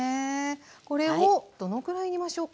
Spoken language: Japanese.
これをどのくらい煮ましょうか。